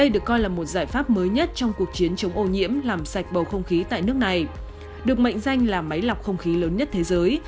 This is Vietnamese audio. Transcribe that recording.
được mệnh danh là máy lọc không khí lớn nhất thế giới